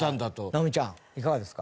直美ちゃんいかがですか？